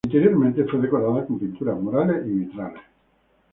Interiormente fue decorada con pinturas murales y vitrales.